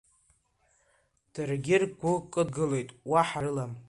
Даргьы ргәы кыдгылеит, уаҳа рылам.